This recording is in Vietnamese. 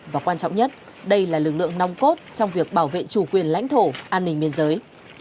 và quan trọng nhất đây là lực lượng nong cốt trong việc bảo vệ chủ quyền lãnh thổ an ninh biên giới